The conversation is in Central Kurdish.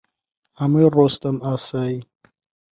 هەمووی ڕۆستەم ئاسایی